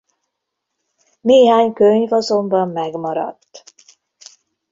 Néhány könyv azonban megmaradt.